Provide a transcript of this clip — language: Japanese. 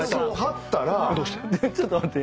ちょっと待って。